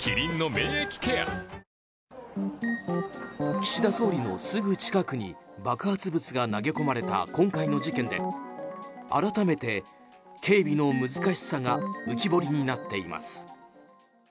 岸田総理のすぐ近くに爆発物が投げ込まれた今回の事件で改めて警備の難しさが浮き彫りになっています。